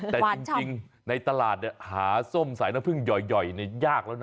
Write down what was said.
แต่จริงในตลาดหาส้มสายน้ำพึ่งหย่อยยากแล้วนะ